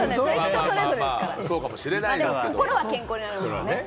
心は健康になるんですけどね。